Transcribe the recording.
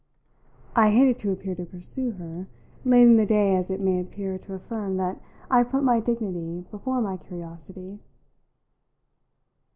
I hated to appear to pursue her, late in the day as it may appear to affirm that I put my dignity before my curiosity.